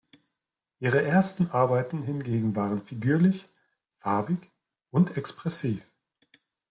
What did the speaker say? Ihre ersten Arbeiten hingegen waren figürlich, farbig und expressiv.